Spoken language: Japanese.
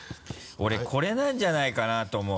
俺これなんじゃないかな？と思う。